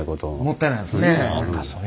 もったいないですね。